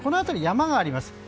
この辺り、山があります。